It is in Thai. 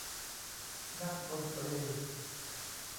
นักดนตรี